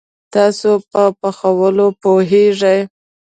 تاسو په پخولوو پوهیږئ؟